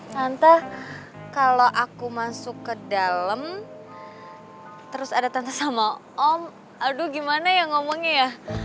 tante kalau aku masuk ke dalam terus ada tante sama om aduh gimana ya ngomongnya ya